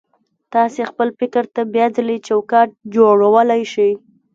تاسې خپل فکر ته بيا ځلې چوکاټ جوړولای شئ.